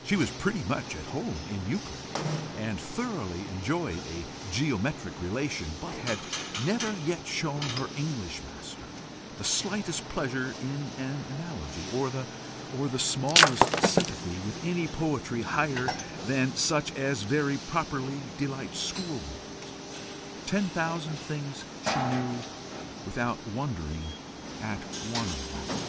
She was pretty much at home in Euclid, and thoroughly enjoyed a geometric relation, but had never yet shown her English master the slightest pleasure in an analogy, or the smallest sympathy with any poetry higher than such as very properly delights schoolboys. Ten thousand things she knew without wondering at one of them.